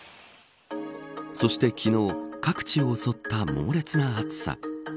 そして昨日各地を襲った猛烈な暑さ。